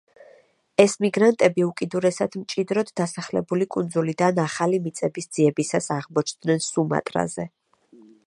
ეს მიგრანტები უკიდურესად მჭიდროდ დასახლებული კუნძულებიდან ახალი მიწების ძიებისას აღმოჩნდნენ სუმატრაზე.